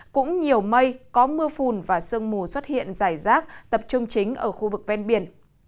cũng nhiều mây có mưa phùn và sương mù xuất hiện rải rác tập trung chính ở khu vực ven biển